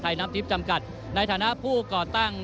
น้ำทิพย์จำกัดในฐานะผู้ก่อตั้ง